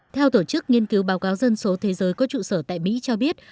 theo tổ chức nghiên cứu báo cáo dân số thế giới có trụ sở tại mỹ cho biết